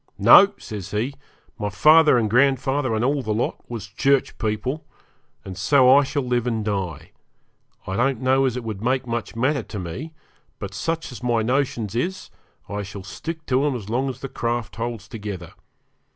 'No!' he says, 'my father and grandfather, and all the lot, was Church people, and so I shall live and die. I don't know as it would make much matter to me, but such as my notions is, I shall stick to 'em as long as the craft holds together.